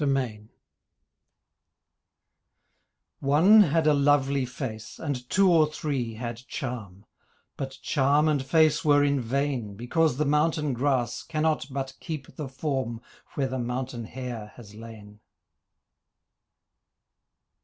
MEMORY One had a lovely face, And two or three had charm, But charm and face were in vain Because the mountain grass Cannot but keep the form Where the mountain hare has lain.